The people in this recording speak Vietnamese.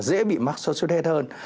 dễ bị mắc sốt sốt hét hơn